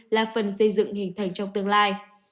là phần xây dựng hình thành trong tương lai